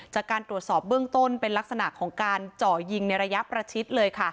จากการตรวจสอบเบื้องต้นเป็นลักษณะของการเจาะยิงในระยะประชิดเลยค่ะ